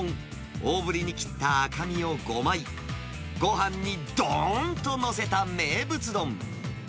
大ぶりに切った赤身を５枚、ごはんにどーんと載せた名物丼。